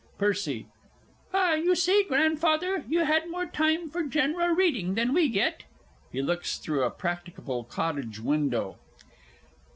PERCY. Ah, you see, Grandfather, you had more time for general reading than we get. (_He looks through a practicable cottage window.